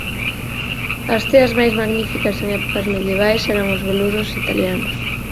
As teas máis magníficas en épocas medievais eran os veludos italianos.